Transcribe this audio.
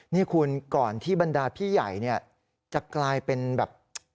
นี่คุณก่อนที่บรรดาพี่ใหญ่เนี่ยจะกลายเป็นแบบ